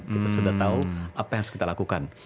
kita sudah tahu apa yang harus kita lakukan